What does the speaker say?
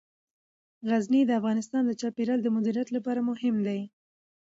غزني د افغانستان د چاپیریال د مدیریت لپاره مهم دي.